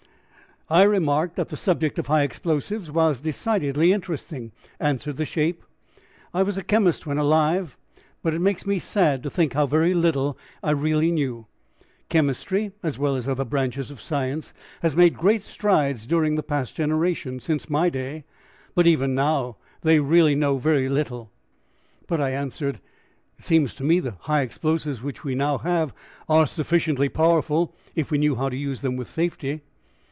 "I remarked that the subject of high explosives was decidedly interesting," answered the shape. "I was a chemist when alive, but it makes me sad to think how very little I really knew. Chemistry, as well as other branches of science, has made great strides during the past generation, since my day, but even now they really know very little." "But," I answered, "it seems to me the high explosives which we now have are sufficiently powerful if we knew how to use them with safety."